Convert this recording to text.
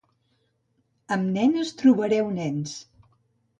Amb nenes trobareu nens.